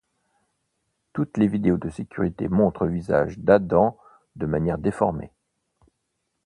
Toutes les vidéos de sécurité montrent le visage d'Adam de manière déformée.